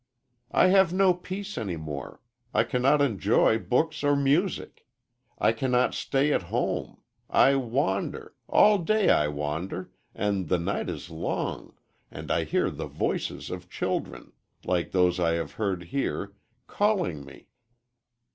"I have no peace any more. I cannot enjoy books or music. I cannot stay at home. I wander all day I wander, and the night is long and I hear the voices of children like those I have heard here calling me."